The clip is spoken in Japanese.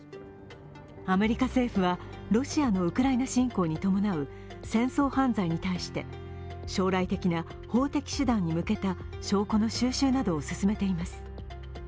アメリカ政府はロシアのウクライナ侵攻に伴う戦争犯罪に対して、将来的な法的手段に向けた証拠の収集などを進めています。